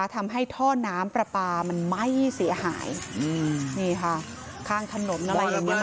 ทำให้ท่อน้ำปลาปลามันไหม้เสียหายอืมนี่ค่ะข้างถนนอะไรอย่างเงี้